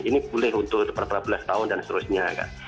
ini boleh untuk beberapa belas tahun dan seterusnya kak